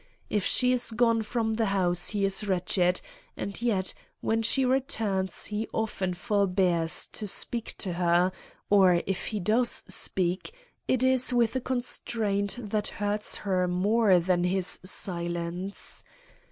If she is gone from the house he is wretched, and yet when she returns he often forbears to speak to her, or if he does speak, it is with a constraint that hurts her more than his silence.